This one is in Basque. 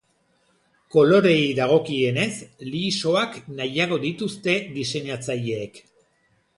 Koloreei dagokienez, lisoak nahiago dituzte diseinatzaileek.